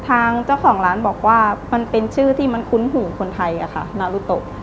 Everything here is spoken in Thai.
ทางเจ้าของร้านบอกว่ามันเป็นชื่อที่มันคุ้นหูคนไทยค่ะนารุโตะ